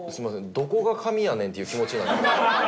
どこが神やねんっていう気持ちになって。